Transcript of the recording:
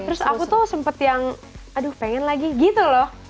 terus aku tuh sempet yang aduh pengen lagi gitu loh